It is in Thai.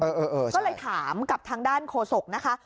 ก็เลยถามกับทางด้านโฆษกนะคะ